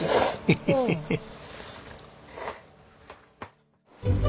ヘヘヘヘッ。